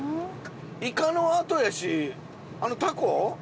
イカの後やしあのタコ？